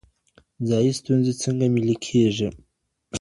ځایی ستونزي څنګه ملي کیږي؟